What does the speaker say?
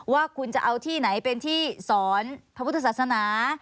ว่าคุณจะเอาที่ไหนเป็นที่สอนพระพุทธศาสนา